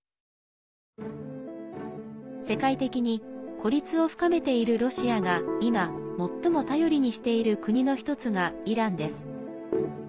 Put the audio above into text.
世界的に孤立を深めているロシアが今、最も頼りにしている国の一つがイランです。